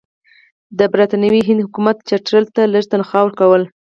د برټانوي هند حکومت چترال ته لږه تنخوا ورکوله.